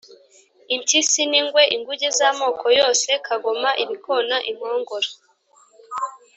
impyisi n'ingwe, inguge z'amoko yose, kagoma, ibikona, inkongoro,